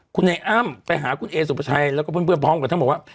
คุณไอ้อ้ำไปหาคุณเอสุภาชัยแล้วก็เพื่อนพร้อมกับทั้งบอกว่า